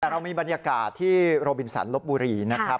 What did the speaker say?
แต่เรามีบรรยากาศที่โรบินสันลบบุรีนะครับ